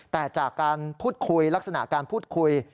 แต่จากการพูดคุยลักษณะการพูดคุย